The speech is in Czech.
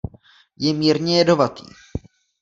Je mírně jedovatý.